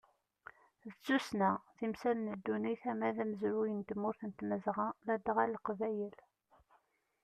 D tussna, timsal n ddunit ama d amezruy n tmurt n tmazɣa ladɣa leqbayel.